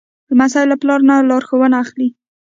لمسی له پلار نه لارښوونه اخلي.